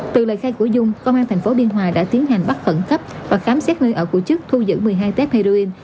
từ lời khai của dung công an tp biên hòa đã tiến hành bắt khẩn cấp và khám xét nơi ở của chức thu giữ một mươi hai tết heroin